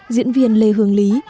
diễn viên lê hương lý